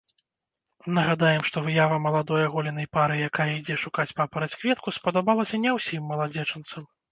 Нагадаем, што выява маладой аголенай пары, якая ідзе шукаць папараць-кветку, спадабалася не ўсім маладзечанцам.